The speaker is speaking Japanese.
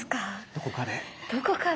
どこかで。